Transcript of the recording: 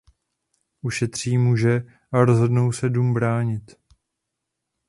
Ušetří muže a rozhodnou se dům bránit.